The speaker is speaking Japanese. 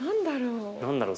何だろう？